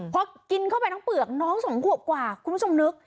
พอกินเข้าไปทั้งเปลือกน้องสองขวบกว่าคุณผู้ชมนึก